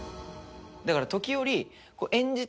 だから時折。